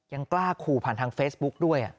ยังกล้าขู่ผ่านทางเฟซบุ๊กด้วย